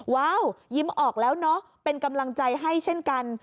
ว้าวยิ้มออกแล้วเนอะเป็นกำลังใจให้เช่นกัน